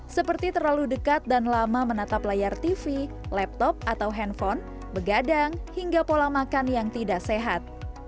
seperti terlalu dekat dan lama menatap layar tv laptop atau handphone begadang hingga pola makan yang tidak sehat